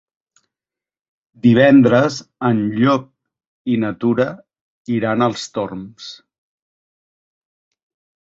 Divendres en Llop i na Tura iran als Torms.